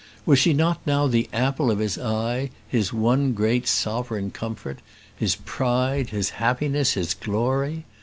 Was she not now the apple of his eye, his one great sovereign comfort his pride, his happiness, his glory?